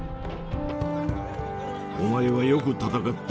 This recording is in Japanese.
お前はよく戦った。